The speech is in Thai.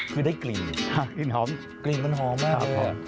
คือได้กลีนหอมกลีนมันหอมมากเลยครับหอม